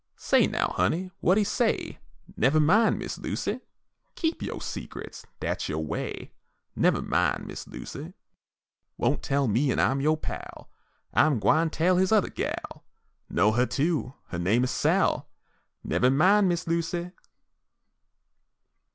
Say, now, honey, wha'd he say? Nevah min', Miss Lucy! Keep yo' secrets dat's yo' way Nevah min', Miss Lucy. Won't tell me an' I'm yo' pal I'm gwine tell his othah gal, Know huh, too, huh name is Sal; Nevah min', Miss Lucy!